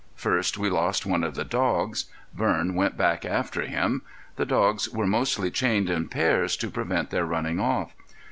First we lost one of the dogs. Vern went back after him. The dogs were mostly chained in pairs, to prevent their running off.